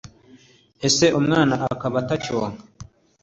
se umwana akaba atacyonka